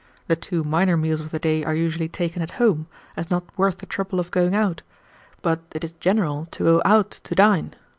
The two minor meals of the day are usually taken at home, as not worth the trouble of going out; but it is general to go out to dine.